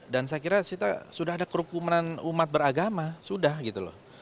dan saya kira sudah ada kerukumanan umat beragama sudah gitu loh